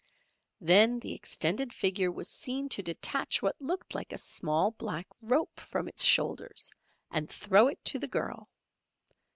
Then the extended figure was seen to detach what looked like a small black rope from its shoulders and throw it to the girl.